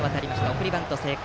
送りバント成功。